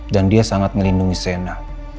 dan dia sangat ngelindungi sena